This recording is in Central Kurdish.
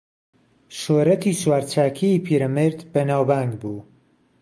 شۆرەتی سوارچاکیی پیرەمێرد بەناوبانگ بوو